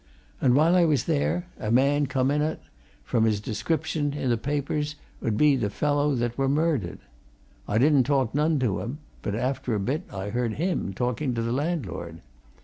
And while I was there, a man come in 'at, from his description i' t' papers, 'ud be this here fellow that were murdered. I didn't talk none to him, but, after a bit, I heard him talking to t' landlord.